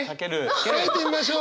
書いてみましょう。